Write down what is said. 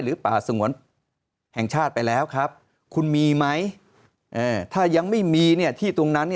ป่าสงวนแห่งชาติไปแล้วครับคุณมีไหมถ้ายังไม่มีที่ตรงนั้น